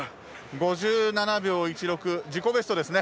５７秒１６、自己ベストですね。